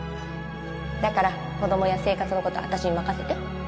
だから子供や生活のことは私に任せて